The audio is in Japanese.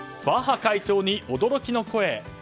バッハ会長に驚きの声。